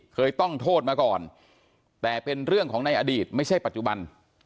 เคยต้องโทษมาก่อนแต่เป็นเรื่องของในอดีตไม่ใช่ปัจจุบัน